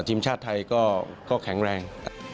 ทีมชาติไทยก็แข็งแรง